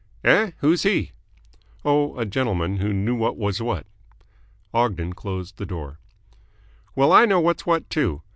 "Eh? Who's he?" "Oh, a gentleman who knew what was what." Ogden closed the door. "Well, I know what's what, too.